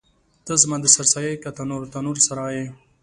ته زما د سر سایه یې که تنور، تنور سارا یې